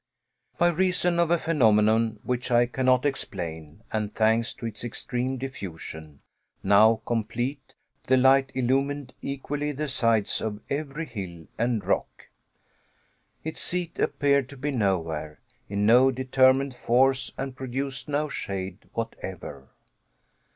By reason of a phenomenon which I cannot explain, and thanks to its extreme diffusion, now complete, the light illumined equally the sides of every hill and rock. Its seat appeared to be nowhere, in no determined force, and produced no shade whatever.